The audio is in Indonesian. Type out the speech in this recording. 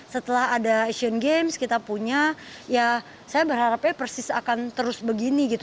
setelah ada asian games kita punya ya saya berharapnya persis akan terus begini gitu